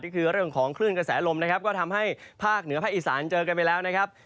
ก็คือเรื่องของคลื่นกระแสลมนะครับก็ทำให้ภาคเหนือภาคอีสานเจอกันไปแล้วนะครับ